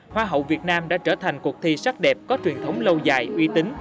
hoa hậu việt nam đã trở thành cuộc thi sắc đẹp có truyền thống lâu dài uy tín